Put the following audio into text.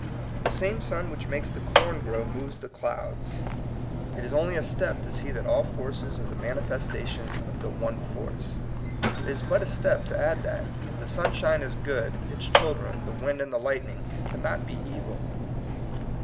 The same sun which makes the corn grow moves the clouds. It 48 THE COMING PEOPLE. is only a step to see that all forces are the manifestation of the one force. It is but a step to add that, if the sunshine is good, its children, the wind and the light ning, cannot be evil.